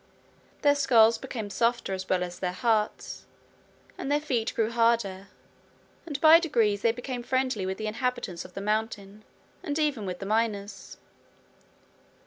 Their skulls became softer as well as their hearts, and their feet grew harder, and by degrees they became friendly with the inhabitants of the mountain and even with the miners.